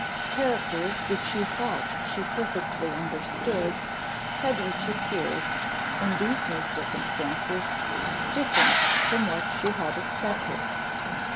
Characters which she thought she perfectly understood, had each appeared, in these new circumstances, different from what she had expected.